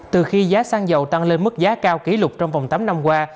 từ khi giá xăng dầu tăng lên mức giá cao kỷ lục trong vòng tám năm qua